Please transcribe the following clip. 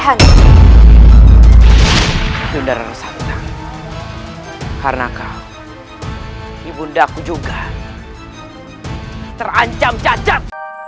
hai dundar rasa karena kau ibundaku juga terancam cacat